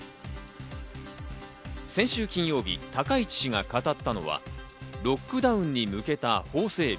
先週金曜日、高市氏が語ったのは、ロックダウンに向けた法整備。